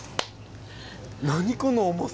何この重さ。